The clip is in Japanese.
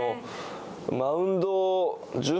マウンド